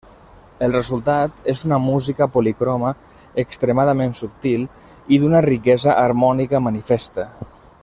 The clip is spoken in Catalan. El resultat és una música policroma, extremament subtil i d'una riquesa harmònica manifesta.